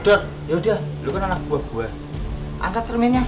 tidur ya udah luka huh buah buah angkat cerminnya